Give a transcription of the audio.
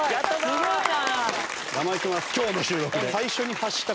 すごいな！